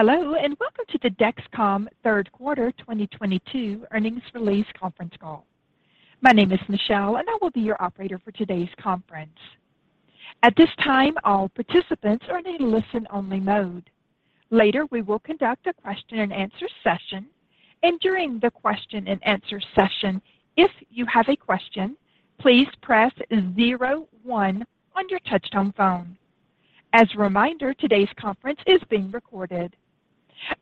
Hello, and welcome to the Dexcom Q3 2022 earnings release conference call. My name is Michelle, and I will be your operator for today's conference. At this time, all participants are in a listen-only mode. Later, we will conduct a question-and-answer session, and during the question-and-answer session if you have a question, please press zero one on your touchtone phone. As a reminder, today's conference is being recorded.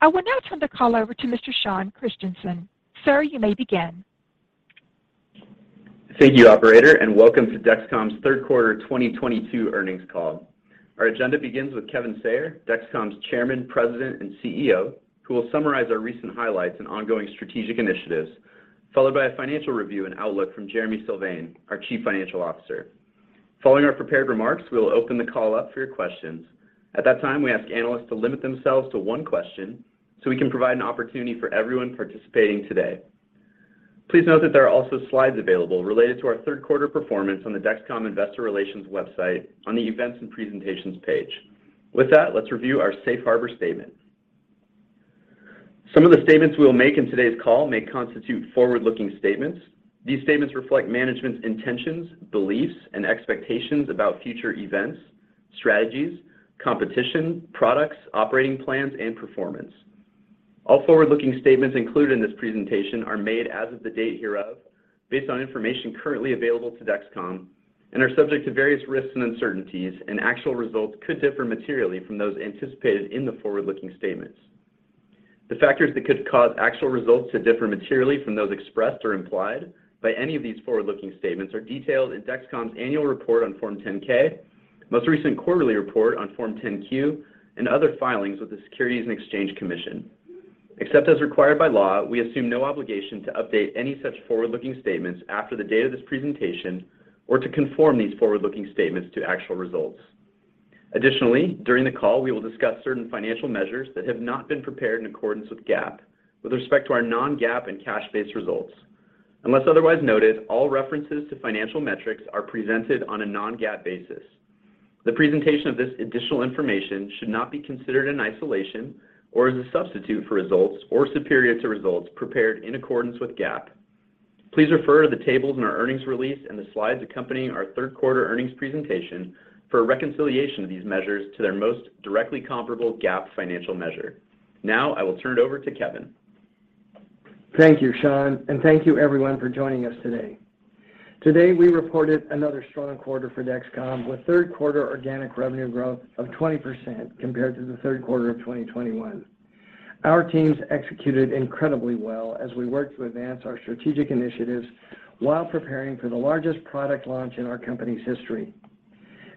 I will now turn the call over to Mr. Sean Christensen. Sir, you may begin. Thank you, operator, and welcome to Dexcom's Q3 2022 earnings call. Our agenda begins with Kevin Sayer, Dexcom's Chairman, President, and CEO, who will summarize our recent highlights and ongoing strategic initiatives, followed by a financial review and outlook from Jereme Sylvain, our Chief Financial Officer. Following our prepared remarks, we will open the call up for your questions. At that time, we ask analysts to limit themselves to one question so we can provide an opportunity for everyone participating today. Please note that there are also slides available related to our Q3 performance on the Dexcom Investor Relations website on the Events and Presentations page. With that, let's review our safe harbor statement. Some of the statements we will make in today's call may constitute forward-looking statements. These statements reflect management's intentions, beliefs, and expectations about future events, strategies, competition, products, operating plans, and performance. All forward-looking statements included in this presentation are made as of the date hereof based on information currently available to Dexcom and are subject to various risks and uncertainties, and actual results could differ materially from those anticipated in the forward-looking statements. The factors that could cause actual results to differ materially from those expressed or implied by any of these forward-looking statements are detailed in Dexcom's annual report on Form 10-K, most recent quarterly report on Form 10-Q, and other filings with the Securities and Exchange Commission. Except as required by law, we assume no obligation to update any such forward-looking statements after the date of this presentation or to conform these forward-looking statements to actual results. Additionally, during the call, we will discuss certain financial measures that have not been prepared in accordance with GAAP with respect to our non-GAAP and cash-based results. Unless otherwise noted, all references to financial metrics are presented on a non-GAAP basis. The presentation of this additional information should not be considered in isolation or as a substitute for results or superior to results prepared in accordance with GAAP. Please refer to the tables in our earnings release and the slides accompanying our Q3 earnings presentation for a reconciliation of these measures to their most directly comparable GAAP financial measure. Now, I will turn it over to Kevin. Thank you, Sean, and thank you everyone for joining us today. Today, we reported another strong quarter for Dexcom with Q3 organic revenue growth of 20% compared to the Q3 of 2021. Our teams executed incredibly well as we work to advance our strategic initiatives while preparing for the largest product launch in our company's history.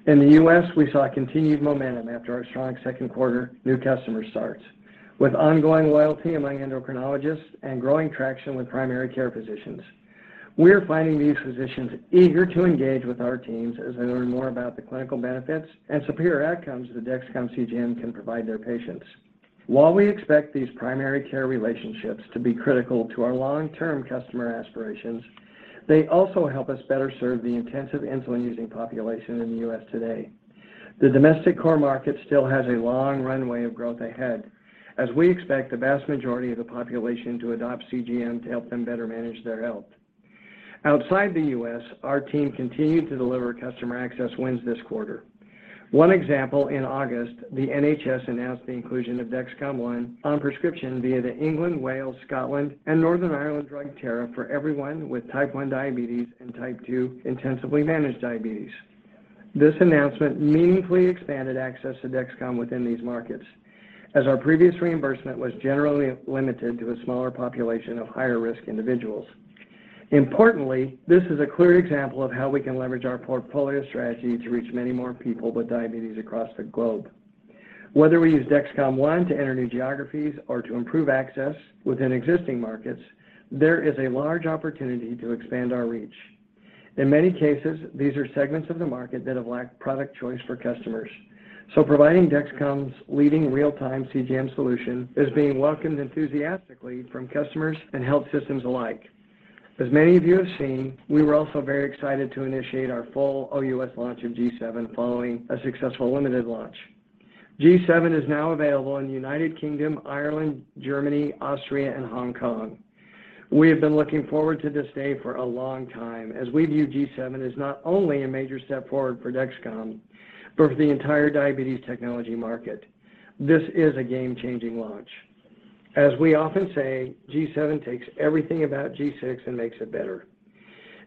In the U.S., we saw continued momentum after our strong Q2 new customer starts with ongoing loyalty among endocrinologists and growing traction with primary care physicians. We're finding these physicians eager to engage with our teams as they learn more about the clinical benefits and superior outcomes the Dexcom CGM can provide their patients. While we expect these primary care relationships to be critical to our long-term customer aspirations, they also help us better serve the intensive insulin-using population in the U.S. today. The domestic core market still has a long runway of growth ahead as we expect the vast majority of the population to adopt CGM to help them better manage their health. Outside the U.S., our team continued to deliver customer access wins this quarter. One example, in August, the NHS announced the inclusion of Dexcom ONE on prescription via the England, Wales, Scotland, and Northern Ireland Drug Tariff for everyone with type 1 diabetes and type 2 intensively managed diabetes. This announcement meaningfully expanded access to Dexcom within these markets as our previous reimbursement was generally limited to a smaller population of higher-risk individuals. Importantly, this is a clear example of how we can leverage our portfolio strategy to reach many more people with diabetes across the globe. Whether we use Dexcom ONE to enter new geographies or to improve access within existing markets, there is a large opportunity to expand our reach. In many cases, these are segments of the market that have lacked product choice for customers, so providing Dexcom's leading real-time CGM solution is being welcomed enthusiastically from customers and health systems alike. As many of you have seen, we were also very excited to initiate our full OUS launch of G7 following a successful limited launch. G7 is now available in the United Kingdom, Ireland, Germany, Austria, and Hong Kong. We have been looking forward to this day for a long time as we view G7 as not only a major step forward for Dexcom, but for the entire diabetes technology market. This is a game-changing launch. As we often say, G7 takes everything about G6 and makes it better.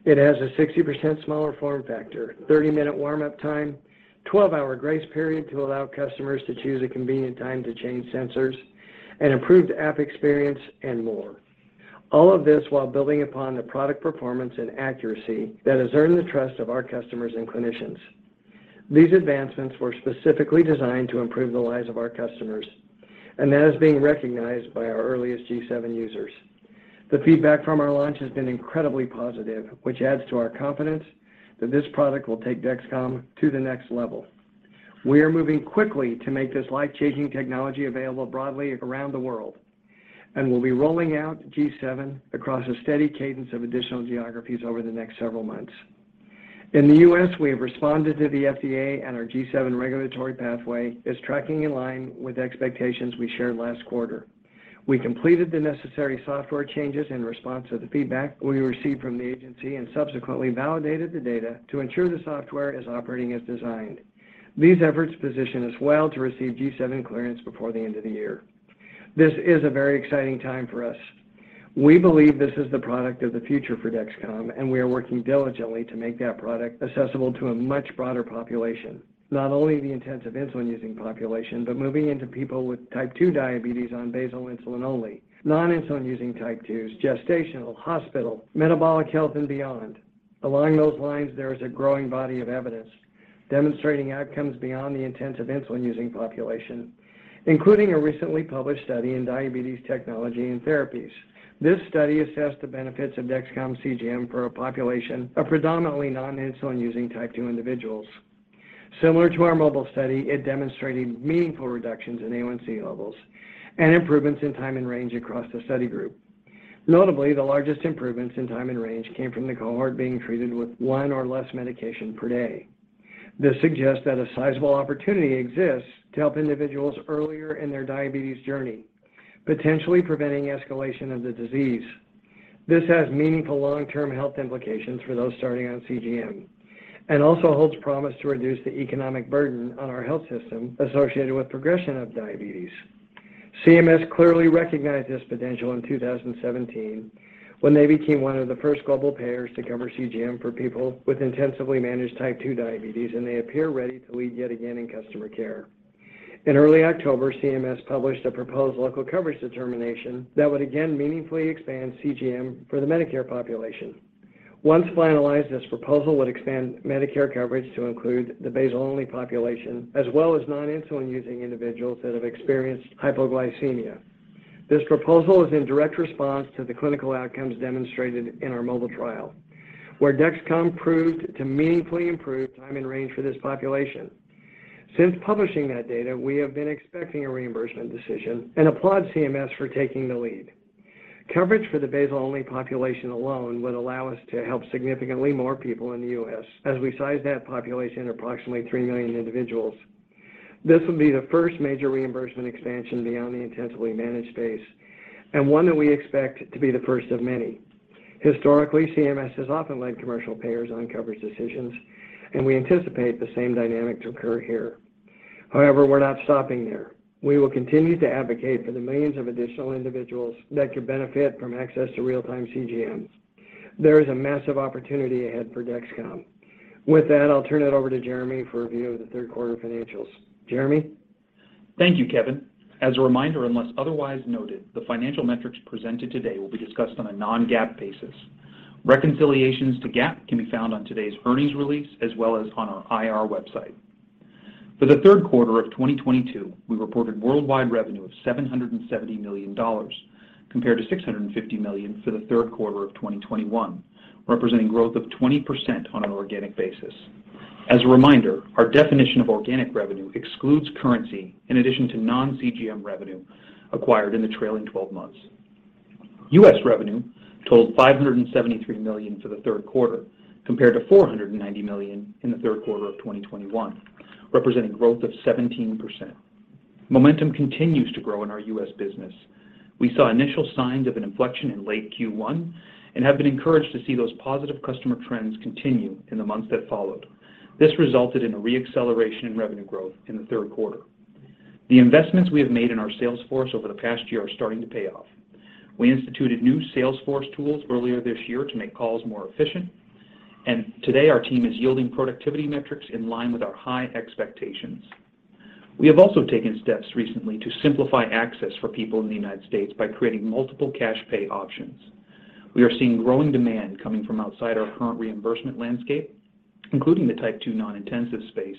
It has a 60% smaller form factor, 30-minute warm-up time, 12-hour grace period to allow customers to choose a convenient time to change sensors, an improved app experience, and more. All of this while building upon the product performance and accuracy that has earned the trust of our customers and clinicians. These advancements were specifically designed to improve the lives of our customers, and that is being recognized by our earliest G7 users. The feedback from our launch has been incredibly positive, which adds to our confidence that this product will take Dexcom to the next level. We are moving quickly to make this life-changing technology available broadly around the world, and we'll be rolling out G7 across a steady cadence of additional geographies over the next several months. In the U.S., we have responded to the FDA and our G7 regulatory pathway is tracking in line with expectations we shared last quarter. We completed the necessary software changes in response to the feedback we received from the agency and subsequently validated the data to ensure the software is operating as designed. These efforts position us well to receive G7 clearance before the end of the year. This is a very exciting time for us. We believe this is the product of the future for Dexcom, and we are working diligently to make that product accessible to a much broader population. Not only the intensive insulin-using population, but moving into people with type 2 diabetes on basal insulin only, non-insulin using type 2s, gestational, hospital, metabolic health, and beyond. Along those lines, there is a growing body of evidence demonstrating outcomes beyond the intensive insulin-using population, including a recently published study in Diabetes Technology & Therapies. This study assessed the benefits of Dexcom CGM for a population of predominantly non-insulin-using type 2 individuals. Similar to our MOBILE study, it demonstrated meaningful reductions in A1C levels and improvements in time in range across the study group. Notably, the largest improvements in time in range came from the cohort being treated with one or less medication per day. This suggests that a sizable opportunity exists to help individuals earlier in their diabetes journey, potentially preventing escalation of the disease. This has meaningful long-term health implications for those starting on CGM and also holds promise to reduce the economic burden on our health system associated with progression of diabetes. CMS clearly recognized this potential in 2017 when they became one of the first global payers to cover CGM for people with intensively managed type 2 diabetes, and they appear ready to lead yet again in customer care. In early October, CMS published a proposed local coverage determination that would again meaningfully expand CGM for the Medicare population. Once finalized, this proposal would expand Medicare coverage to include the basal-only population, as well as non-insulin-using individuals that have experienced hypoglycemia. This proposal is in direct response to the clinical outcomes demonstrated in our MOBILE trial, where Dexcom proved to meaningfully improve time in range for this population. Since publishing that data, we have been expecting a reimbursement decision and applaud CMS for taking the lead. Coverage for the basal-only population alone would allow us to help significantly more people in the U.S. as we size that population approximately 3,000,000 individuals. This would be the first major reimbursement expansion beyond the intensively managed space and one that we expect to be the first of many. Historically, CMS has often led commercial payers on coverage decisions, and we anticipate the same dynamic to occur here. However, we're not stopping there. We will continue to advocate for the millions of additional individuals that could benefit from access to real-time CGM. There is a massive opportunity ahead for Dexcom. With that, I'll turn it over to Jereme for a view of the Q3 financials. Jereme? Thank you, Kevin. As a reminder, unless otherwise noted, the financial metrics presented today will be discussed on a non-GAAP basis. Reconciliations to GAAP can be found on today's earnings release as well as on our IR website. For the Q3 of 2022, we reported worldwide revenue of $770 million, compared to $650 million for the Q3 of 2021, representing growth of 20% on an organic basis. As a reminder, our definition of organic revenue excludes currency in addition to non-CGM revenue acquired in the trailing twelve months. U.S. revenue totaled $573 million for the Q3, compared to $490 million in the Q3 of 2021, representing growth of 17%. Momentum continues to grow in our U.S. business. We saw initial signs of an inflection in late Q1 and have been encouraged to see those positive customer trends continue in the months that followed. This resulted in a re-acceleration in revenue growth in the Q3. The investments we have made in our sales force over the past year are starting to pay off. We instituted new sales force tools earlier this year to make calls more efficient, and today our team is yielding productivity metrics in line with our high expectations. We have also taken steps recently to simplify access for people in the United States by creating multiple cash pay options. We are seeing growing demand coming from outside our current reimbursement landscape, including the type 2 non-intensive space.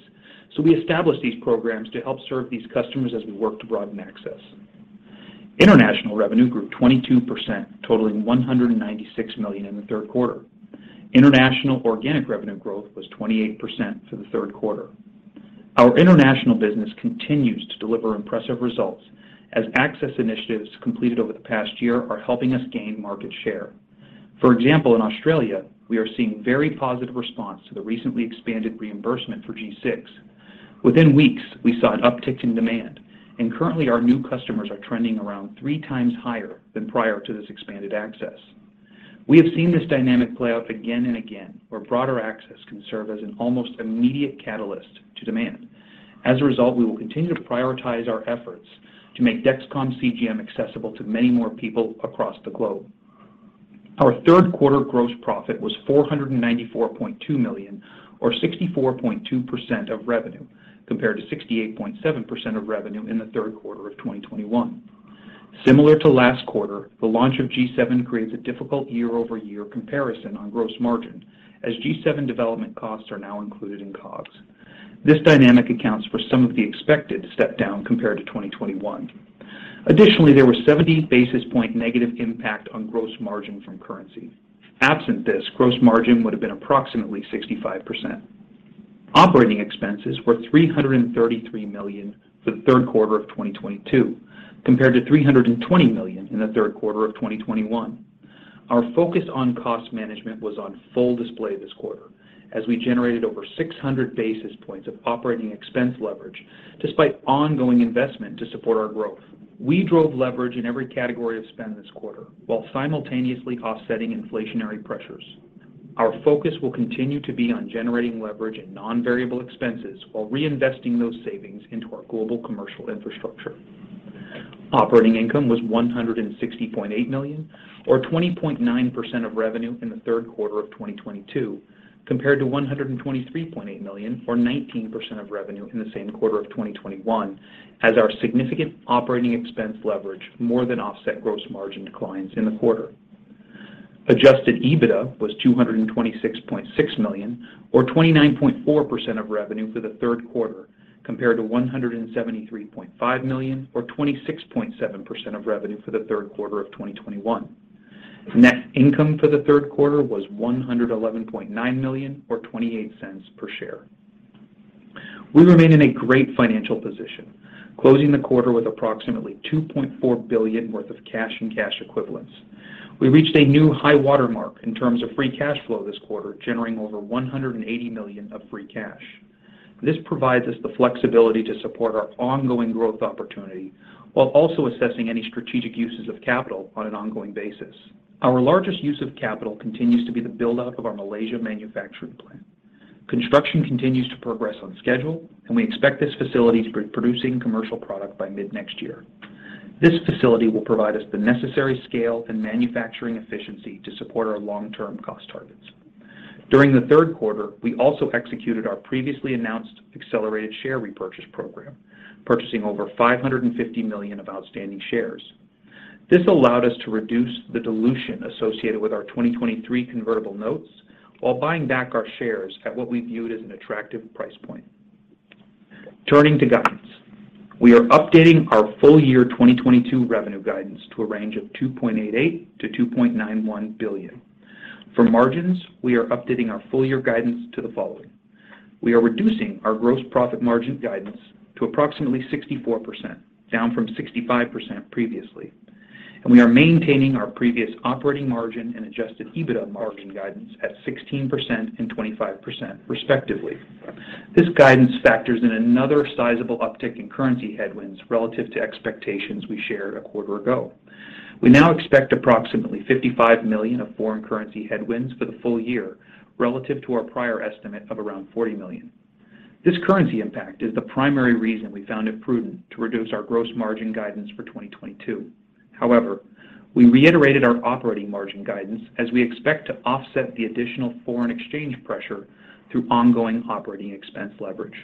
We established these programs to help serve these customers as we work to broaden access. International revenue grew 22%, totaling $196 million in the Q3. International organic revenue growth was 28% for the Q3. Our international business continues to deliver impressive results as access initiatives completed over the past year are helping us gain market share. For example, in Australia, we are seeing very positive response to the recently expanded reimbursement for G6. Within weeks, we saw an uptick in demand, and currently our new customers are trending around 3x higher than prior to this expanded access. We have seen this dynamic play out again and again, where broader access can serve as an almost immediate catalyst to demand. As a result, we will continue to prioritize our efforts to make Dexcom CGM accessible to many more people across the globe. Our Q3 gross profit was $494.2 million or 64.2% of revenue, compared to 68.7% of revenue in the Q3 of 2021. Similar to last quarter, the launch of G7 creates a difficult year-over-year comparison on gross margin as G7 development costs are now included in COGS. This dynamic accounts for some of the expected step down compared to 2021. Additionally, there was 70 basis point negative impact on gross margin from currency. Absent this, gross margin would have been approximately 65%. Operating expenses were $333 million for the Q3 of 2022, compared to $320 million in the Q3 of 2021. Our focus on cost management was on full display this quarter as we generated over 600 basis points of operating expense leverage despite ongoing investment to support our growth. We drove leverage in every category of spend this quarter while simultaneously offsetting inflationary pressures. Our focus will continue to be on generating leverage in non-variable expenses while reinvesting those savings into our global commercial infrastructure. Operating income was $160.8 million, or 20.9% of revenue in the Q3 of 2022, compared to $123.8 million, or 19% of revenue in the same quarter of 2021 as our significant operating expense leverage more than offset gross margin declines in the quarter. Adjusted EBITDA was $226.6 million or 29.4% of revenue for the Q3 compared to $173.5 million or 26.7% of revenue for the Q3 of 2021. Net income for the Q3 was $111.9 million or $0.28 per share. We remain in a great financial position, closing the quarter with approximately $2.4 billion worth of cash and cash equivalents. We reached a new high water mark in terms of free cash flow this quarter, generating over $180 million of free cash. This provides us the flexibility to support our ongoing growth opportunity while also assessing any strategic uses of capital on an ongoing basis. Our largest use of capital continues to be the buildup of our Malaysia manufacturing plant. Construction continues to progress on schedule, and we expect this facility to be producing commercial product by mid-next year. This facility will provide us the necessary scale and manufacturing efficiency to support our long-term cost targets. During the Q3, we also executed our previously announced accelerated share repurchase program, purchasing over $550 million of outstanding shares. This allowed us to reduce the dilution associated with our 2023 convertible notes while buying back our shares at what we viewed as an attractive price point. Turning to guidance. We are updating our full year 2022 revenue guidance to a range of $2.88 billion-$2.91 billion. For margins, we are updating our full year guidance to the following. We are reducing our gross profit margin guidance to approximately 64%, down from 65% previously, and we are maintaining our previous operating margin and adjusted EBITDA margin guidance at 16% and 25% respectively. This guidance factors in another sizable uptick in currency headwinds relative to expectations we shared a quarter ago. We now expect approximately $55 million of foreign currency headwinds for the full year relative to our prior estimate of around $40 million. This currency impact is the primary reason we found it prudent to reduce our gross margin guidance for 2022. However, we reiterated our operating margin guidance as we expect to offset the additional foreign exchange pressure through ongoing operating expense leverage.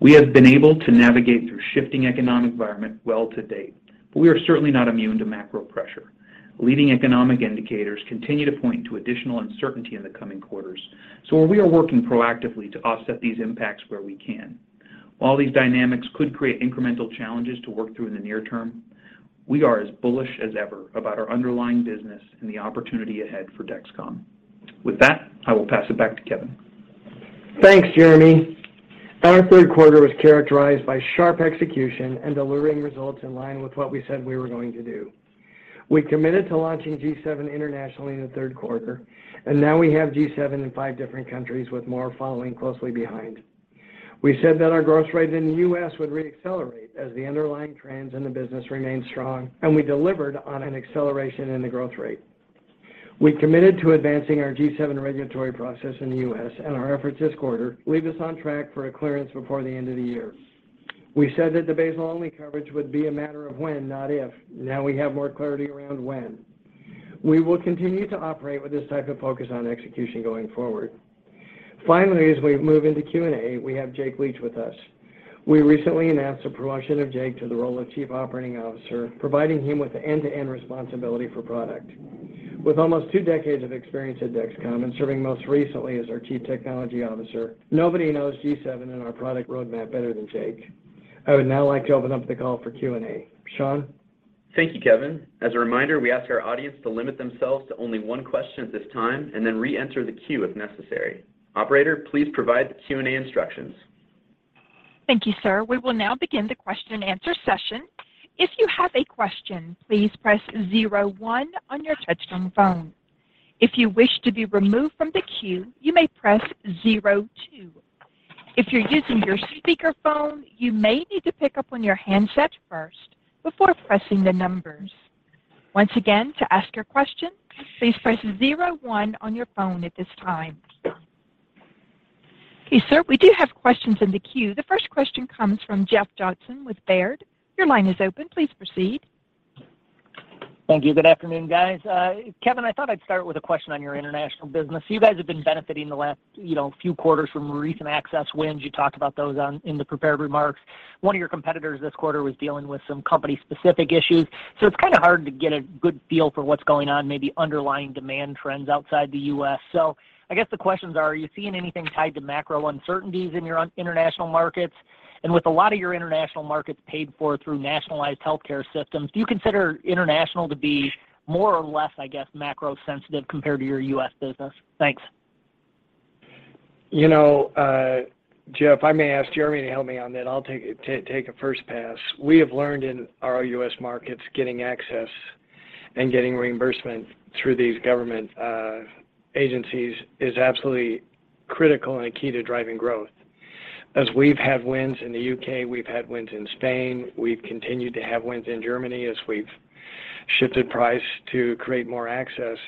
We have been able to navigate through shifting economic environment well to date, but we are certainly not immune to macro pressure. Leading economic indicators continue to point to additional uncertainty in the coming quarters, so we are working proactively to offset these impacts where we can. While these dynamics could create incremental challenges to work through in the near term, we are as bullish as ever about our underlying business and the opportunity ahead for Dexcom. With that, I will pass it back to Kevin. Thanks, Jereme. Our Q3 was characterized by sharp execution and delivering results in line with what we said we were going to do. We committed to launching G7 internationally in the Q3, and now we have G7 in five different countries with more following closely behind. We said that our growth rate in the U.S. would re-accelerate as the underlying trends in the business remained strong, and we delivered on an acceleration in the growth rate. We committed to advancing our G7 regulatory process in the U.S., and our efforts this quarter leave us on track for a clearance before the end of the year. We said that the basal only coverage would be a matter of when, not if. Now we have more clarity around when. We will continue to operate with this type of focus on execution going forward. Finally, as we move into Q&A, we have Jake Leach with us. We recently announced the promotion of Jake to the role of Chief Operating Officer, providing him with end-to-end responsibility for product. With almost two decades of experience at Dexcom and serving most recently as our Chief Technology Officer, nobody knows G7 and our product roadmap better than Jake. I would now like to open up the call for Q&A. Sean? Thank you, Kevin. As a reminder, we ask our audience to limit themselves to only one question at this time and then re-enter the queue if necessary. Operator, please provide the Q&A instructions. Thank you, sir. We will now begin the question and answer session. If you have a question, please press zero one on your touchtone phone. If you wish to be removed from the queue, you may press zero two. If you're using your speaker phone, you may need to pick up on your handset first before pressing the numbers. Once again, to ask your question, please press zero one on your phone at this time. Okay, sir, we do have questions in the queue. The first question comes from Jeff Johnson with Baird. Your line is open. Please proceed. Thank you. Good afternoon, guys. Kevin, I thought I'd start with a question on your international business. You guys have been benefiting the last, you know, few quarters from recent access wins. You talked about those in the prepared remarks. One of your competitors this quarter was dealing with some company-specific issues, so it's kind of hard to get a good feel for what's going on, maybe underlying demand trends outside the U.S. I guess the questions are you seeing anything tied to macro uncertainties in your international markets? With a lot of your international markets paid for through nationalized healthcare systems, do you consider international to be more or less, I guess, macro sensitive compared to your U.S. business? Thanks. You know, Jeff, I may ask Jereme to help me on that. I'll take a first pass. We have learned in our U.S. markets getting access and getting reimbursement through these government agencies is absolutely critical and a key to driving growth. As we've had wins in the U.K., we've had wins in Spain, we've continued to have wins in Germany as we've shifted price to create more access.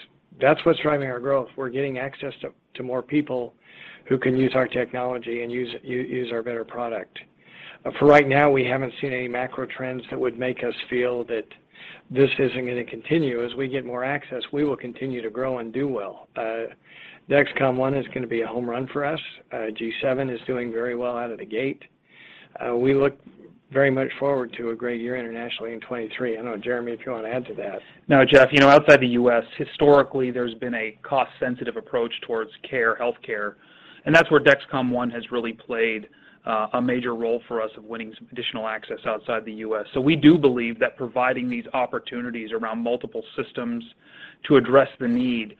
That's what's driving our growth. We're getting access to more people who can use our technology and use our better product. For right now, we haven't seen any macro trends that would make us feel that this isn't gonna continue. As we get more access, we will continue to grow and do well. Dexcom ONE is gonna be a home run for us. G7 is doing very well out of the gate. We look very much forward to a great year internationally in 2023. I know Jereme, if you want to add to that. No, Jeff, you know, outside the U.S., historically, there's been a cost-sensitive approach towards care, healthcare, and that's where Dexcom ONE has really played a major role for us of winning some additional access outside the U.S. We do believe that providing these opportunities around multiple systems to address the need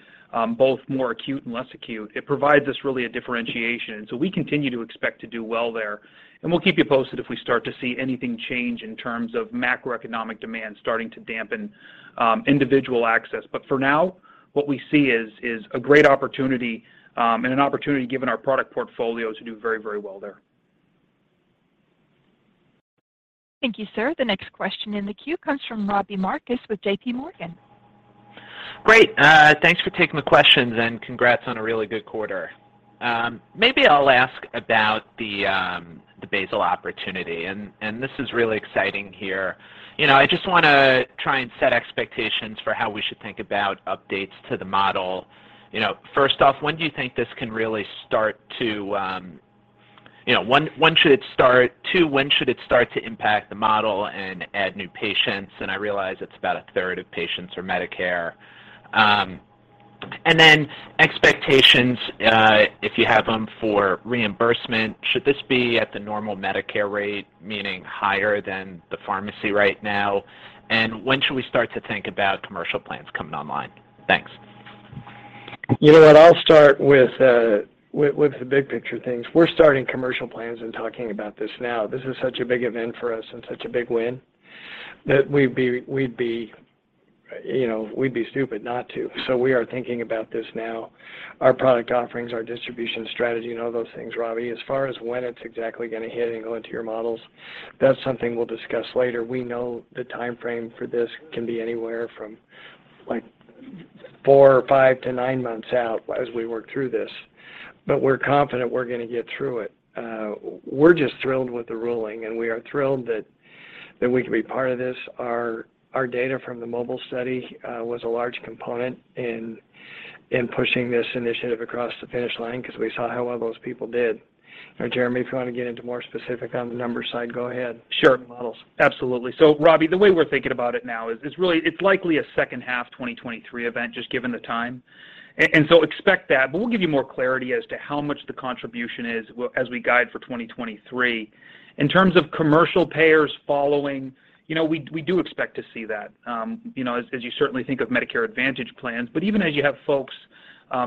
both more acute and less acute, it provides us really a differentiation. We continue to expect to do well there. We'll keep you posted if we start to see anything change in terms of macroeconomic demand starting to dampen individual access. For now, what we see is a great opportunity, and an opportunity given our product portfolio to do very, very well there. Thank you, sir. The next question in the queue comes from Robbie Marcus with JPMorgan. Great. Thanks for taking the questions, and congrats on a really good quarter. Maybe I'll ask about the basal opportunity. And this is really exciting here. You know, I just wanna try and set expectations for how we should think about updates to the model. You know, first off, when do you think this can really start to. You know, when should it start? Two, when should it start to impact the model and add new patients? And I realize it's about a third of patients are Medicare. And then expectations, if you have them for reimbursement, should this be at the normal Medicare rate, meaning higher than the pharmacy right now? And when should we start to think about commercial plans coming online? Thanks. You know what, I'll start with the big picture things. We're starting commercial plans and talking about this now. This is such a big event for us and such a big win that we'd be stupid not to. We are thinking about this now. Our product offerings, our distribution strategy, and all those things, Robbie. As far as when it's exactly going to hit and go into your models, that's something we'll discuss later. We know the time frame for this can be anywhere from, like, four or five to nine months out as we work through this. We're confident we're going to get through it. We're just thrilled with the ruling, and we are thrilled that we can be part of this. Our data from the MOBILE study was a large component in pushing this initiative across the finish line because we saw how well those people did. Jereme, if you want to get into more specific on the numbers side, go ahead. Sure. Models. Absolutely. Robbie, the way we're thinking about it now is really, it's likely a second half 2023 event just given the time. Expect that. We'll give you more clarity as to how much the contribution is as we guide for 2023. In terms of commercial payers following, you know, we do expect to see that, you know, as you certainly think of Medicare Advantage plans. Even as you have folks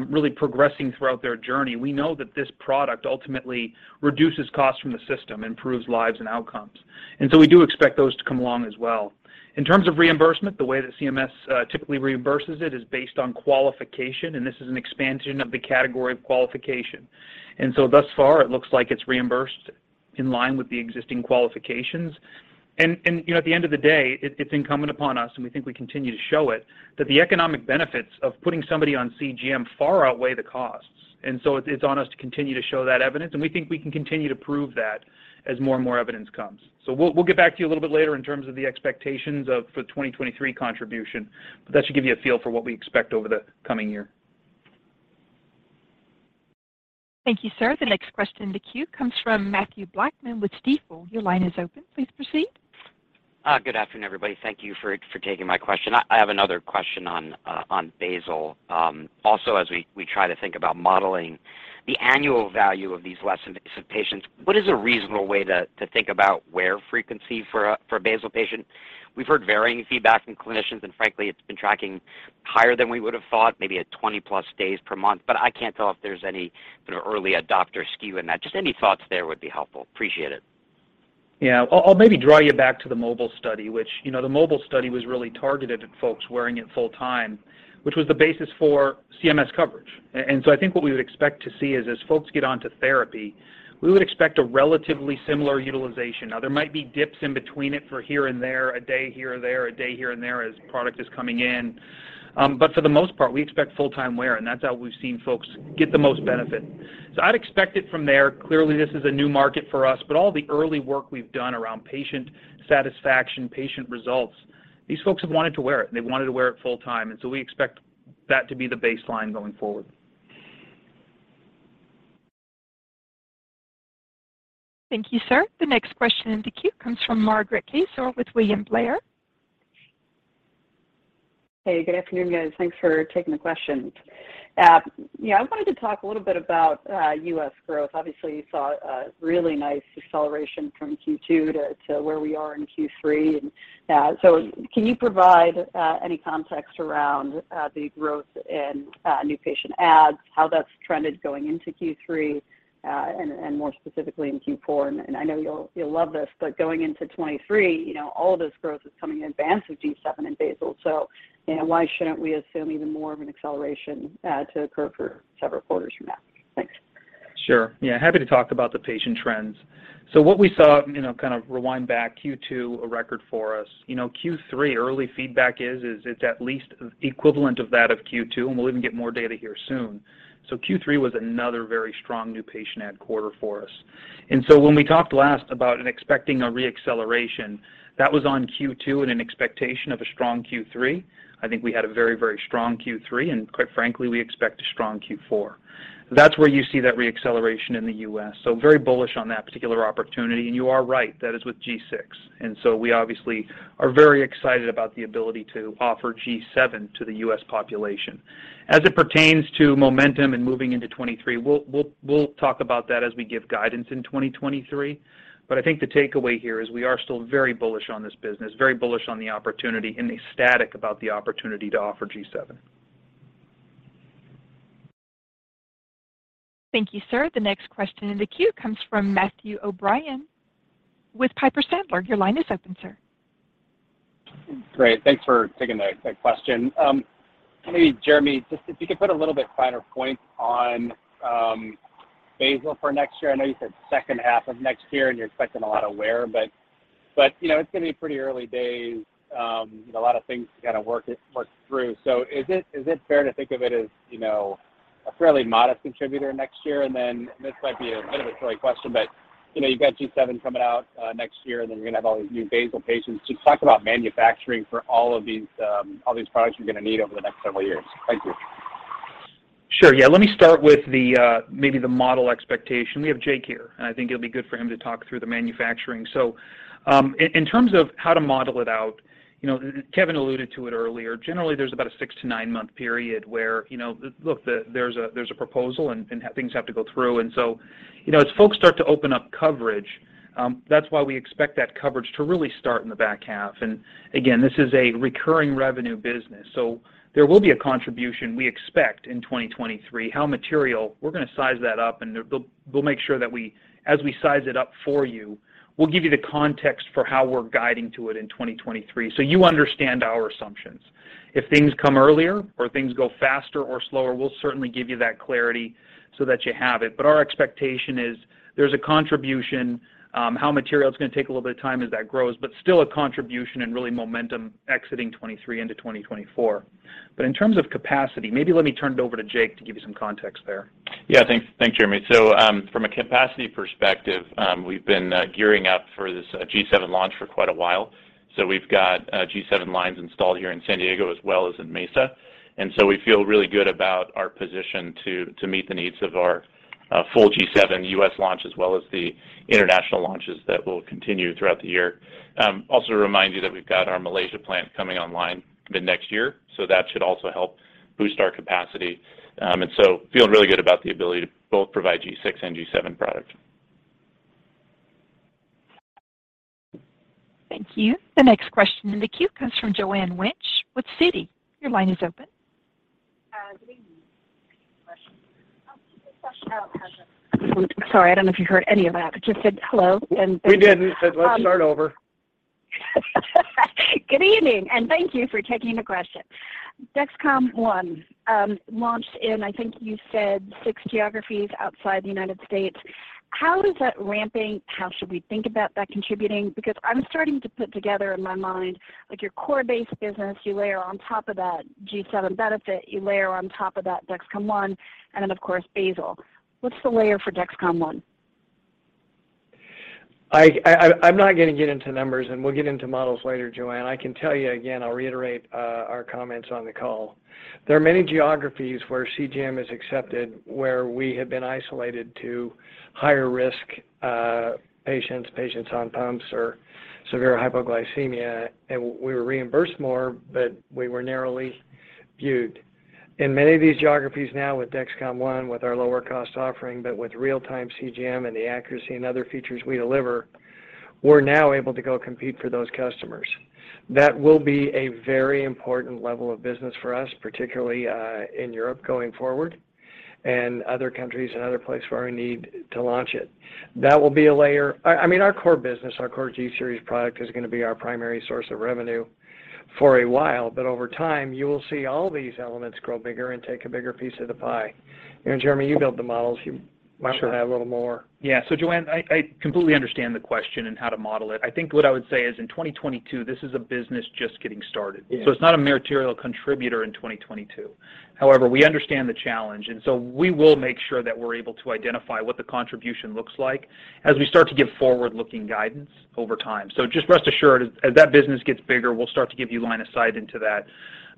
really progressing throughout their journey, we know that this product ultimately reduces costs from the system, improves lives and outcomes. We do expect those to come along as well. In terms of reimbursement, the way that CMS typically reimburses it is based on qualification, and this is an expansion of the category of qualification. Thus far, it looks like it's reimbursed in line with the existing qualifications. You know, at the end of the day, it's incumbent upon us, and we think we continue to show it, that the economic benefits of putting somebody on CGM far outweigh the costs. It's on us to continue to show that evidence, and we think we can continue to prove that as more and more evidence comes. We'll get back to you a little bit later in terms of the expectations of the 2023 contribution, but that should give you a feel for what we expect over the coming year. Thank you, sir. The next question in the queue comes from Mathew Blackman with Stifel. Your line is open. Please proceed. Good afternoon, everybody. Thank you for taking my question. I have another question on basal. Also as we try to think about modeling the annual value of these less intensive patients, what is a reasonable way to think about wear frequency for a basal patient? We've heard varying feedback from clinicians, and frankly, it's been tracking higher than we would have thought, maybe at 20+ days per month. I can't tell if there's any early adopter skew in that. Just any thoughts there would be helpful. Appreciate it. Yeah. I'll maybe draw you back to the MOBILE study, which, you know, the MOBILE study was really targeted at folks wearing it full time, which was the basis for CMS coverage. I think what we would expect to see is as folks get onto therapy, we would expect a relatively similar utilization. Now, there might be dips in between it here and there, a day here or there as product is coming in. For the most part, we expect full-time wear, and that's how we've seen folks get the most benefit. I'd expect it from there. Clearly, this is a new market for us, but all the early work we've done around patient satisfaction, patient results. These folks have wanted to wear it, and they wanted to wear it full time. We expect that to be the baseline going forward. Thank you, sir. The next question in the queue comes from Margaret Kaczor with William Blair. Hey, good afternoon, guys. Thanks for taking the questions. Yeah, I wanted to talk a little bit about U.S. growth. Obviously, you saw a really nice acceleration from Q2 to where we are in Q3. Can you provide any context around the growth in new patient adds, how that's trended going into Q3, and more specifically in Q4? I know you'll love this, but going into 2023, you know, all of this growth is coming in advance of G7 and basal. You know, why shouldn't we assume even more of an acceleration to occur for several quarters from now? Thanks. Sure. Yeah, happy to talk about the patient trends. What we saw, you know, kind of rewind back, Q2, a record for us. You know, Q3, early feedback is it's at least equivalent of that of Q2, and we'll even get more data here soon. Q3 was another very strong new patient add quarter for us. When we talked last about expecting a re-acceleration, that was on Q2 and an expectation of a strong Q3. I think we had a very, very strong Q3, and quite frankly, we expect a strong Q4. That's where you see that re-acceleration in the U.S. Very bullish on that particular opportunity. You are right, that is with G6. We obviously are very excited about the ability to offer G7 to the U.S. population. As it pertains to momentum and moving into 2023, we'll talk about that as we give guidance in 2023. I think the takeaway here is we are still very bullish on this business, very bullish on the opportunity and ecstatic about the opportunity to offer G7. Thank you, sir. The next question in the queue comes from Matthew O'Brien with Piper Sandler. Your line is open, sir. Great. Thanks for taking the question. Maybe Jereme, just if you could put a little bit finer point on basal for next year. I know you said second half of next year, and you're expecting a lot of wear, but you know, it's gonna be pretty early days, a lot of things to kind of work through. So is it fair to think of it as, you know, a fairly modest contributor next year? Then this might be a bit of a silly question, but you know, you've got G7 coming out next year, and then you're going to have all these new basal patients. Just talk about manufacturing for all of these all these products you're going to need over the next several years. Thank you. Sure. Yeah, let me start with the maybe the model expectation. We have Jake here, and I think it'll be good for him to talk through the manufacturing. In terms of how to model it out, you know, Kevin alluded to it earlier. Generally, there's about a six to nine month period where, you know, look, there's a proposal and things have to go through. You know, as folks start to open up coverage, that's why we expect that coverage to really start in the back half. Again, this is a recurring revenue business, so there will be a contribution we expect in 2023. How material, we're going to size that up, and we'll make sure that as we size it up for you, we'll give you the context for how we're guiding to it in 2023. You understand our assumptions. If things come earlier or things go faster or slower, we'll certainly give you that clarity so that you have it. Our expectation is there's a contribution. How material, it's going to take a little bit of time as that grows, but still a contribution and really momentum exiting 2023 into 2024. In terms of capacity, maybe let me turn it over to Jake to give you some context there. Yeah. Thanks. Thanks, Jereme. From a capacity perspective, we've been gearing up for this G7 launch for quite a while. We've got G7 lines installed here in San Diego as well as in Mesa. We feel really good about our position to meet the needs of our full G7 US launch as well as the international launches that will continue throughout the year. Also to remind you that we've got our Malaysia plant coming online mid-next year, so that should also help boost our capacity. Feeling really good about the ability to both provide G6 and G7 product. Thank you. The next question in the queue comes from Joanne Wuensch with Citi. Your line is open. Good evening. Sorry, I don't know if you heard any of that. Just said hello and thank you. We did. We said let's start over. Good evening, and thank you for taking the question. Dexcom ONE launched in, I think you said, six geographies outside the United States. How is that ramping? How should we think about that contributing? Because I'm starting to put together in my mind, like your core base business, you layer on top of that G7 benefit, you layer on top of that Dexcom ONE, and then, of course, basal. What's the layer for Dexcom ONE? I'm not going to get into numbers, and we'll get into models later, Joanne. I can tell you, again, I'll reiterate, our comments on the call. There are many geographies where CGM is accepted, where we have been isolated to higher risk, patients on pumps or severe hypoglycemia, and we were reimbursed more, but we were narrowly viewed. In many of these geographies now with Dexcom ONE with our lower cost offering, but with real-time CGM and the accuracy and other features we deliver, we're now able to go compete for those customers. That will be a very important level of business for us, particularly, in Europe going forward and other countries and other places where we need to launch it. That will be a layer. I mean, our core business, our core G-series product is going to be our primary source of revenue for a while. Over time, you will see all these elements grow bigger and take a bigger piece of the pie. Jereme, you build the models. You might want to add a little more. Sure. Yeah. Joanne, I completely understand the question and how to model it. I think what I would say is in 2022, this is a business just getting started. Yeah. It's not a material contributor in 2022. However, we understand the challenge, and so we will make sure that we're able to identify what the contribution looks like as we start to give forward-looking guidance over time. Just rest assured, as that business gets bigger, we'll start to give you line of sight into that.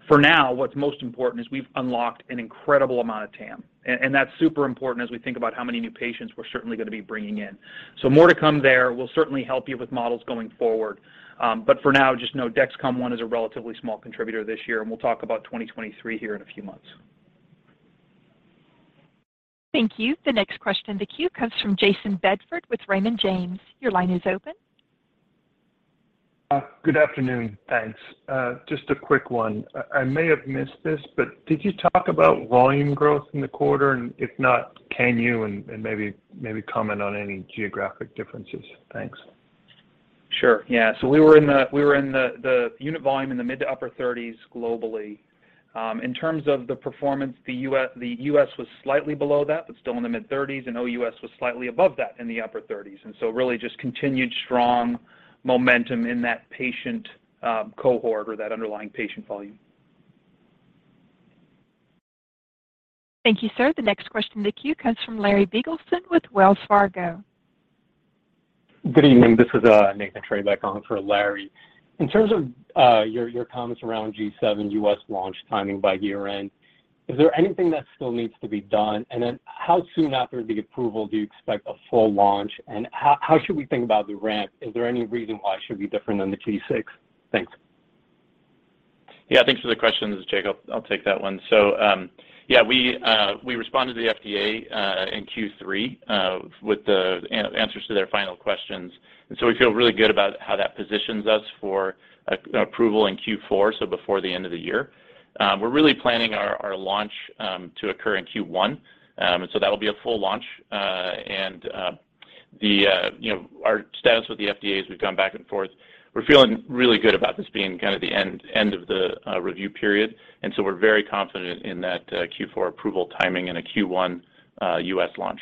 For now, what's most important is we've unlocked an incredible amount of TAM, and that's super important as we think about how many new patients we're certainly going to be bringing in. More to come there. We'll certainly help you with models going forward. But for now, just know Dexcom ONE is a relatively small contributor this year, and we'll talk about 2023 here in a few months. Thank you. The next question in the queue comes from Jayson Bedford with Raymond James. Your line is open. Good afternoon. Thanks. Just a quick one. I may have missed this, but did you talk about volume growth in the quarter? If not, can you maybe comment on any geographic differences? Thanks. Sure. Yeah. We were in the unit volume in the mid- to upper-30s globally. In terms of the performance, the U.S. was slightly below that, but still in the mid-30s, and OUS was slightly above that in the upper-30s. Really just continued strong momentum in that patient cohort or that underlying patient volume. Thank you, sir. The next question in the queue comes from Larry Biegelsen with Wells Fargo. Good evening. This is Nathan Treybeck on for Larry. In terms of your comments around G7 U.S. launch timing by year-end, is there anything that still needs to be done? How soon after the approval do you expect a full launch, and how should we think about the ramp? Is there any reason why it should be different than the G6? Thanks. Yeah. Thanks for the question. This is Jacob. I'll take that one. We responded to the FDA in Q3 with the answers to their final questions, and we feel really good about how that positions us for approval in Q4, before the end of the year. We're really planning our launch to occur in Q1. That'll be a full launch. You know, our status with the FDA as we've gone back and forth, we're feeling really good about this being kind of the end of the review period, and we're very confident in that Q4 approval timing and a Q1 U.S. launch.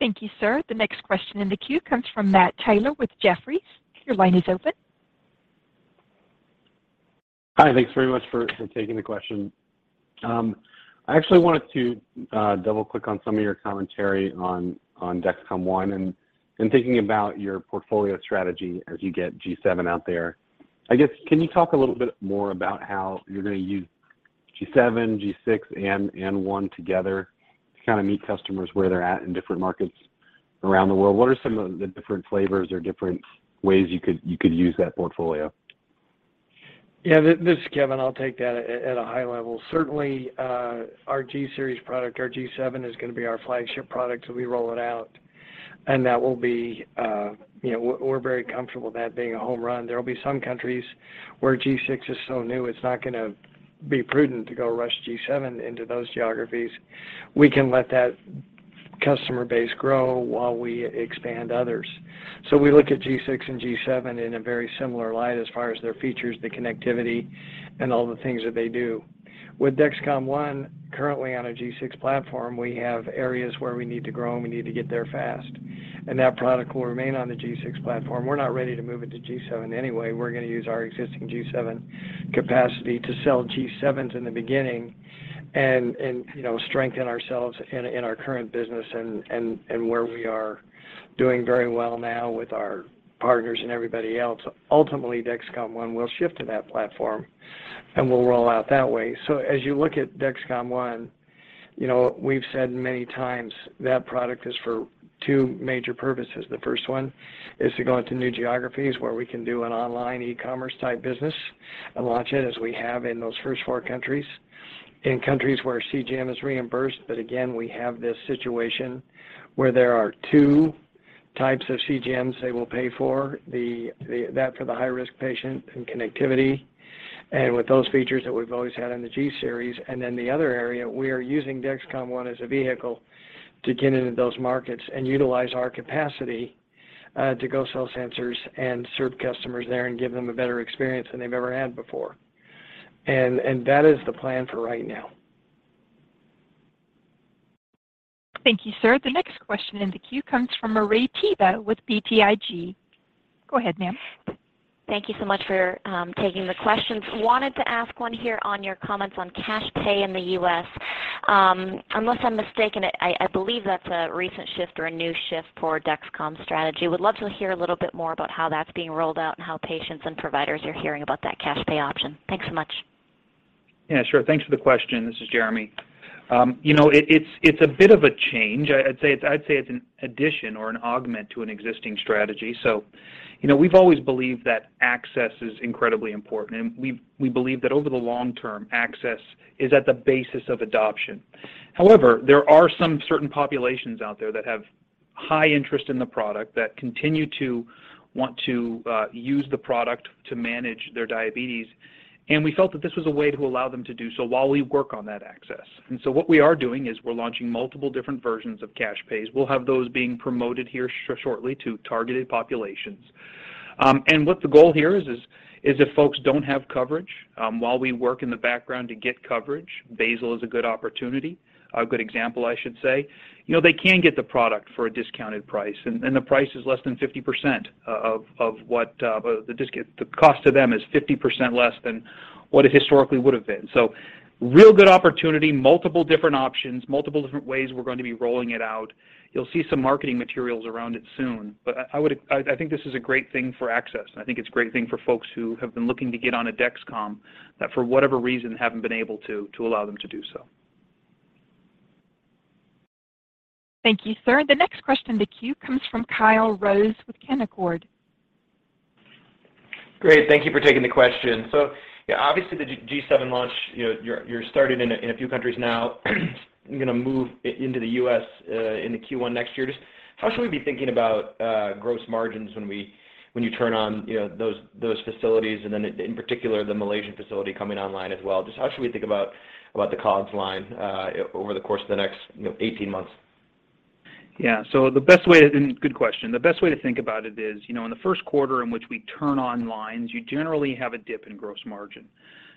Thank you, sir. The next question in the queue comes from Matt Taylor with Jefferies. Your line is open. Hi. Thanks very much for taking the question. I actually wanted to double-click on some of your commentary on Dexcom ONE and thinking about your portfolio strategy as you get G7 out there. I guess, can you talk a little bit more about how you're gonna use G7, G6, and ONE together to kind of meet customers where they're at in different markets around the world? What are some of the different flavors or different ways you could use that portfolio? Yeah. This is Kevin. I'll take that at a high level. Certainly, our G-series product, our G7 is gonna be our flagship product as we roll it out, and that will be, you know. We're very comfortable with that being a home run. There will be some countries where G6 is so new, it's not gonna be prudent to go rush G7 into those geographies. We can let that customer base grow while we expand others. We look at G6 and G7 in a very similar light as far as their features, the connectivity, and all the things that they do. With Dexcom ONE currently on a G6 platform, we have areas where we need to grow, and we need to get there fast, and that product will remain on the G6 platform. We're not ready to move it to G7 anyway. We're gonna use our existing G7 capacity to sell G7s in the beginning and you know strengthen ourselves in our current business and where we are doing very well now with our partners and everybody else. Ultimately, Dexcom ONE will shift to that platform, and we'll roll out that way. As you look at Dexcom ONE, you know, we've said many times that product is for two major purposes. The first one is to go into new geographies where we can do an online e-commerce type business and launch it as we have in those first four countries. In countries where CGM is reimbursed, but again, we have this situation where there are two types of CGMs they will pay for, that for the high-risk patient and connectivity, and with those features that we've always had in the G-series. The other area, we are using Dexcom ONE as a vehicle to get into those markets and utilize our capacity to go sell sensors and serve customers there and give them a better experience than they've ever had before. That is the plan for right now. Thank you, sir. The next question in the queue comes from Marie Thibault with BTIG. Go ahead, ma'am. Thank you so much for taking the questions. Wanted to ask one here on your comments on cash pay in the U.S. Unless I'm mistaken, I believe that's a recent shift or a new shift for Dexcom's strategy. Would love to hear a little bit more about how that's being rolled out and how patients and providers are hearing about that cash pay option. Thanks so much. Yeah, sure. Thanks for the question. This is Jereme. You know, it's a bit of a change. I'd say it's an addition or an augment to an existing strategy. You know, we've always believed that access is incredibly important, and we believe that over the long term, access is at the basis of adoption. However, there are some certain populations out there that have high interest in the product that continue to want to use the product to manage their diabetes, and we felt that this was a way to allow them to do so while we work on that access. What we are doing is we're launching multiple different versions of cash pays. We'll have those being promoted here shortly to targeted populations. What the goal here is if folks don't have coverage, while we work in the background to get coverage, basal is a good opportunity, a good example, I should say. You know, they can get the product for a discounted price, and the price is less than 50% of what the cost to them is 50% less than what it historically would have been. Real good opportunity, multiple different options, multiple different ways we're going to be rolling it out. You'll see some marketing materials around it soon. I think this is a great thing for access, and I think it's a great thing for folks who have been looking to get on a Dexcom that for whatever reason haven't been able to allow them to do so. Thank you, sir. The next question in the queue comes from Kyle Rose with Canaccord. Great. Thank you for taking the question. Yeah, obviously, the G7 launch, you know, you're started in a few countries now you're gonna move into the U.S. in the Q1 next year. Just how should we be thinking about gross margins when you turn on, you know, those facilities and then in particular, the Malaysian facility coming online as well? Just how should we think about the COGS line over the course of the next, you know, 18 months? Yeah. Good question. The best way to think about it is, you know, in the Q1 in which we turn on lines, you generally have a dip in gross margin,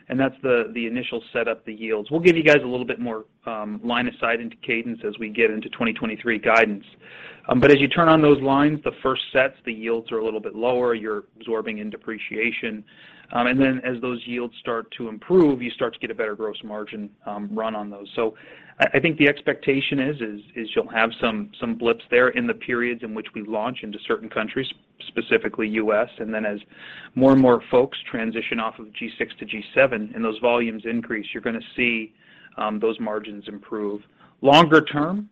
and that's the initial set up, the yields. We'll give you guys a little bit more line of sight into cadence as we get into 2023 guidance. But as you turn on those lines, the first sets, the yields are a little bit lower. You're absorbing in depreciation. And then as those yields start to improve, you start to get a better gross margin run on those. I think the expectation is you'll have some blips there in the periods in which we launch into certain countries, specifically U.S. As more and more folks transition off of G6 to G7 and those volumes increase, you're gonna see those margins improve. Longer term,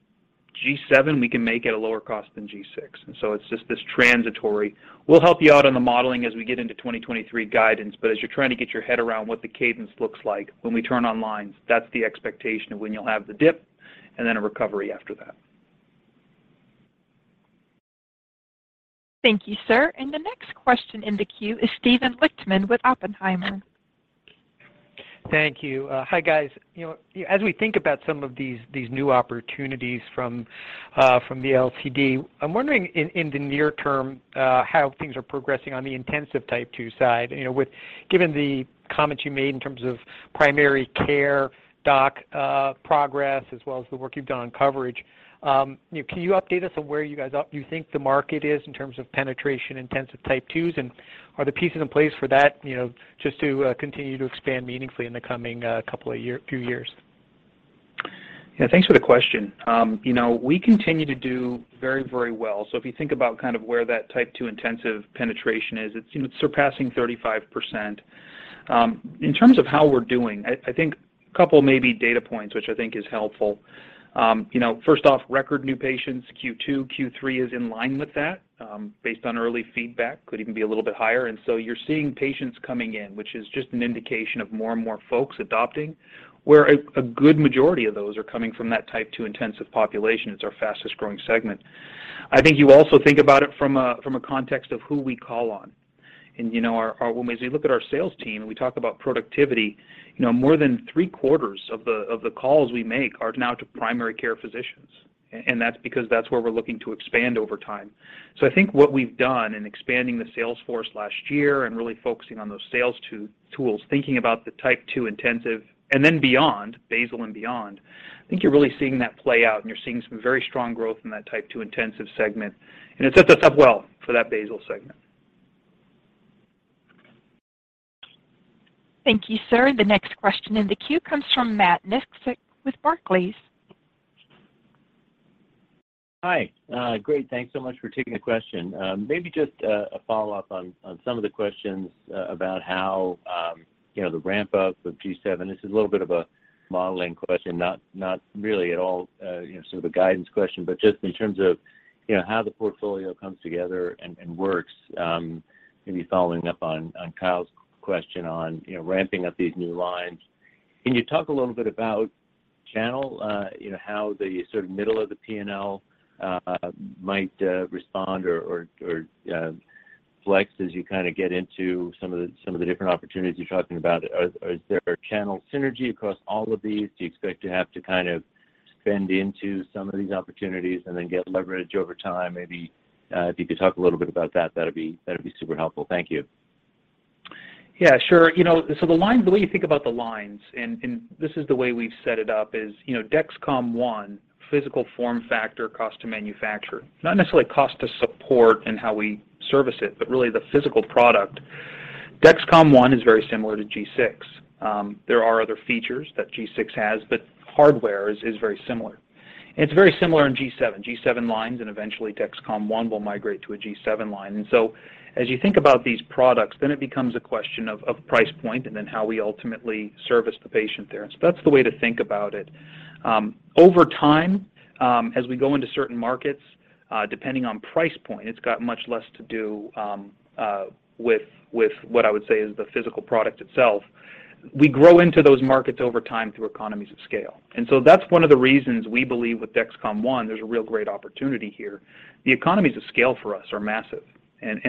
G7, we can make at a lower cost than G6, and so it's just this transitory. We'll help you out on the modeling as we get into 2023 guidance, but as you're trying to get your head around what the cadence looks like when we turn on lines, that's the expectation of when you'll have the dip and then a recovery after that. Thank you, sir. The next question in the queue is Steven Lichtman with Oppenheimer. Thank you. Hi, guys. You know, as we think about some of these new opportunities from the LCD, I'm wondering in the near term how things are progressing on the intensive type 2 side. You know, given the comments you made in terms of primary care doc progress as well as the work you've done on coverage, you know, can you update us on where you guys think the market is in terms of penetration, intensive type 2s? Are the pieces in place for that, you know, just to continue to expand meaningfully in the coming few years? Yeah. Thanks for the question. You know, we continue to do very, very well. If you think about kind of where that type 2 intensive penetration is, it's, you know, it's surpassing 35%. In terms of how we're doing, I think a couple maybe data points, which I think is helpful. You know, first off, record new patients, Q2, Q3 is in line with that, based on early feedback. Could even be a little bit higher. You're seeing patients coming in, which is just an indication of more and more folks adopting, where a good majority of those are coming from that type 2 intensive population. It's our fastest-growing segment. I think you also think about it from a context of who we call on. You know, our... When we look at our sales team and we talk about productivity, you know, more than three-quarters of the calls we make are now to primary care physicians. That's because that's where we're looking to expand over time. I think what we've done in expanding the sales force last year and really focusing on those sales tools, thinking about the type two intensive and then beyond, basal and beyond, you're really seeing that play out, and you're seeing some very strong growth in that type two intensive segment, and it's set us up well for that basal segment. Thank you, sir. The next question in the queue comes from Matt Miksic with Barclays. Hi. Great. Thanks so much for taking the question. Maybe just a follow-up on some of the questions about how, you know, the ramp-up of G7. This is a little bit of a modeling question, not really at all, you know, sort of a guidance question, but just in terms of, you know, how the portfolio comes together and works, maybe following up on Kyle's question on, you know, ramping up these new lines. Can you talk a little bit about channel? You know, how the sort of middle of the P&L might respond or flex as you kinda get into some of the different opportunities you're talking about? Is there a channel synergy across all of these? Do you expect to have to kind of spend into some of these opportunities and then get leverage over time? Maybe, if you could talk a little bit about that'd be super helpful. Thank you. Yeah, sure. You know, so the lines, the way you think about the lines, and this is the way we've set it up is, you know, Dexcom ONE, physical form factor cost to manufacture. Not necessarily cost to support and how we service it, but really the physical product. Dexcom ONE is very similar to G6. There are other features that G6 has, but hardware is very similar. It's very similar in G7. G7 lines and eventually Dexcom ONE will migrate to a G7 line. As you think about these products, then it becomes a question of price point and then how we ultimately service the patient there. That's the way to think about it. Over time, as we go into certain markets, depending on price point, it's got much less to do with what I would say is the physical product itself. We grow into those markets over time through economies of scale. That's one of the reasons we believe with Dexcom ONE, there's a real great opportunity here. The economies of scale for us are massive.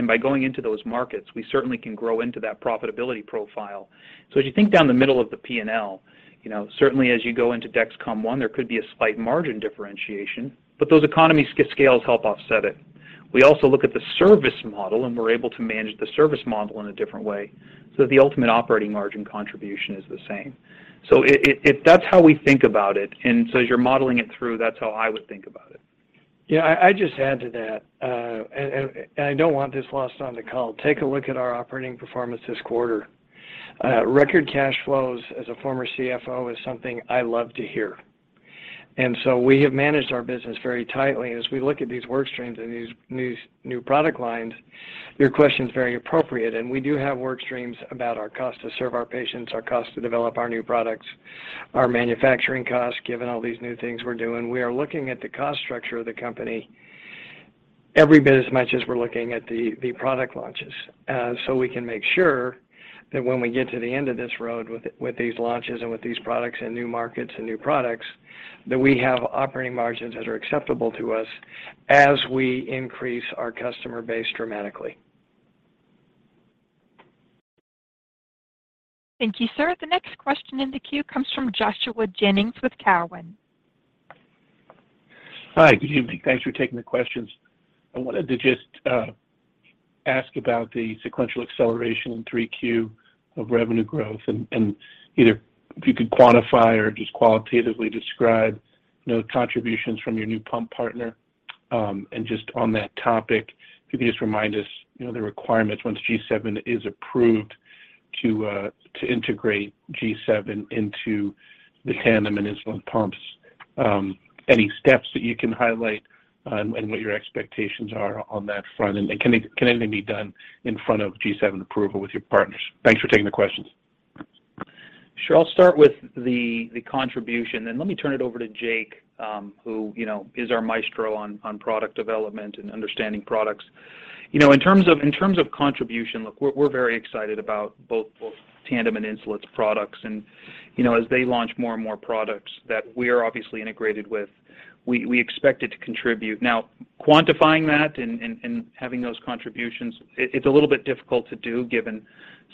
By going into those markets, we certainly can grow into that profitability profile. As you think down the middle of the P&L, you know, certainly as you go into Dexcom ONE, there could be a slight margin differentiation, but those economies scales help offset it. We also look at the service model, and we're able to manage the service model in a different way so that the ultimate operating margin contribution is the same. That's how we think about it. As you're modeling it through, that's how I would think about it. Yeah. I just add to that, and I don't want this lost on the call. Take a look at our operating performance this quarter. Record cash flows as a former CFO is something I love to hear. We have managed our business very tightly. As we look at these work streams and these new product lines, your question's very appropriate. We do have work streams about our cost to serve our patients, our cost to develop our new products, our manufacturing costs, given all these new things we're doing. We are looking at the cost structure of the company. Every bit as much as we're looking at the product launches, so we can make sure that when we get to the end of this road with these launches and with these products and new markets and new products, that we have operating margins that are acceptable to us as we increase our customer base dramatically. Thank you, sir. The next question in the queue comes from Joshua Jennings with Cowen. Hi. Good evening. Thanks for taking the questions. I wanted to just ask about the sequential acceleration in 3Q of revenue growth and either if you could quantify or just qualitatively describe, you know, contributions from your new pump partner. And just on that topic, if you could just remind us, you know, the requirements once G7 is approved to integrate G7 into the Tandem and Insulet pumps, any steps that you can highlight on and what your expectations are on that front? And can anything be done in front of G7 approval with your partners? Thanks for taking the questions. Sure. I'll start with the contribution, then let me turn it over to Jake, who you know, is our maestro on product development and understanding products. You know, in terms of contribution, look, we're very excited about both Tandem and Insulet's products. You know, as they launch more and more products that we are obviously integrated with, we expect it to contribute. Now quantifying that and having those contributions, it's a little bit difficult to do given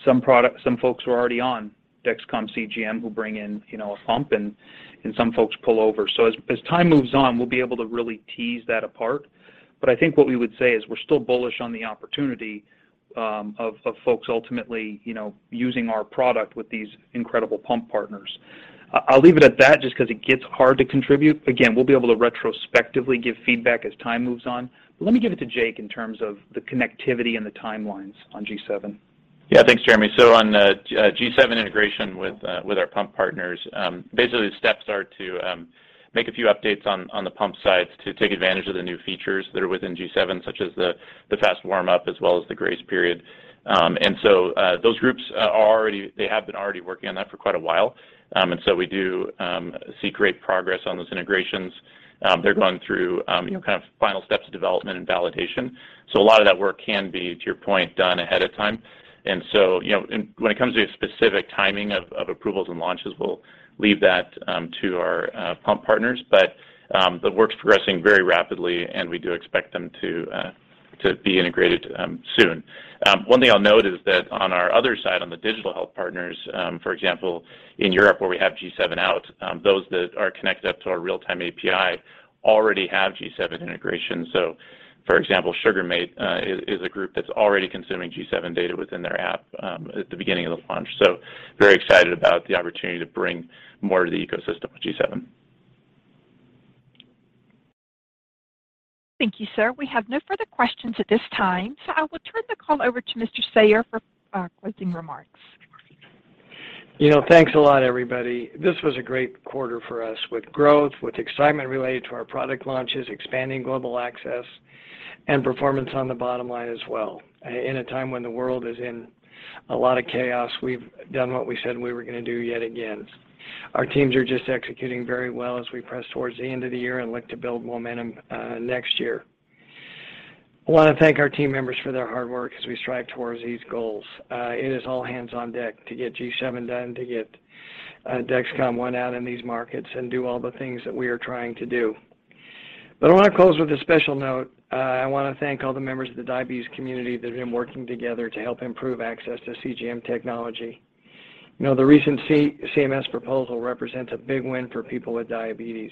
some folks who are already on Dexcom CGM will bring in, you know, a pump and some folks pull over. As time moves on, we'll be able to really tease that apart. I think what we would say is we're still bullish on the opportunity of folks ultimately, you know, using our product with these incredible pump partners. I'll leave it at that just 'cause it gets hard to contribute. Again, we'll be able to retrospectively give feedback as time moves on. Let me give it to Jake in terms of the connectivity and the timelines on G7. Yeah, thanks Jereme. On the G7 integration with our pump partners, basically the steps are to make a few updates on the pump side to take advantage of the new features that are within G7, such as the fast warm up as well as the grace period. Those groups have been working on that for quite a while. We do see great progress on those integrations. They're going through you know kind of final steps of development and validation. A lot of that work can be, to your point, done ahead of time. You know, when it comes to specific timing of approvals and launches, we'll leave that to our pump partners. The work's progressing very rapidly, and we do expect them to be integrated soon. One thing I'll note is that on our other side, on the digital health partners, for example, in Europe where we have G7 out, those that are connected up to our real-time API already have G7 integration. For example, Sugarmate is a group that's already consuming G7 data within their app at the beginning of the launch. Very excited about the opportunity to bring more to the ecosystem with G7. Thank you, sir. We have no further questions at this time, so I will turn the call over to Mr. Sayer for closing remarks. You know, thanks a lot, everybody. This was a great quarter for us with growth, with excitement related to our product launches, expanding global access and performance on the bottom line as well. In a time when the world is in a lot of chaos, we've done what we said we were gonna do yet again. Our teams are just executing very well as we press towards the end of the year and look to build momentum next year. I wanna thank our team members for their hard work as we strive towards these goals. It is all hands on deck to get G7 done, to get Dexcom ONE out in these markets and do all the things that we are trying to do. I wanna close with a special note. I wanna thank all the members of the diabetes community that have been working together to help improve access to CGM technology. You know, the recent CMS proposal represents a big win for people with diabetes,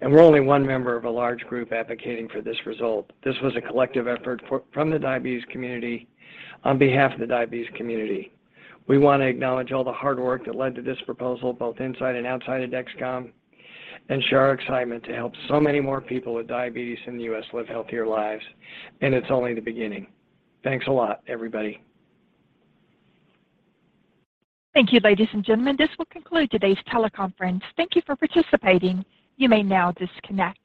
and we're only one member of a large group advocating for this result. This was a collective effort from the diabetes community on behalf of the diabetes community. We wanna acknowledge all the hard work that led to this proposal, both inside and outside of Dexcom, and share our excitement to help so many more people with diabetes in the U.S. live healthier lives, and it's only the beginning. Thanks a lot, everybody. Thank you, ladies and gentlemen. This will conclude today's teleconference. Thank you for participating. You may now disconnect.